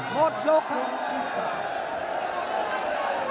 หมดยกครับ